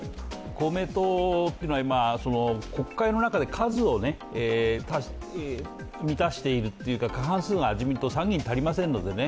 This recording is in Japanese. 公明党というのは今、国会の中で数を満たしているというか、過半数が自民党参議院足りませんのでね